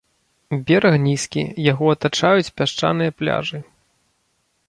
Бераг нізкі, яго атачаюць пясчаныя пляжы.